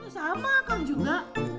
sama kan juga